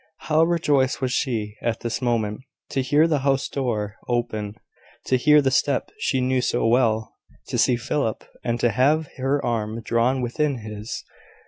How rejoiced was she, at this moment, to hear the house door open, to hear the step she knew so well, to see Philip, and to have her arm drawn within his!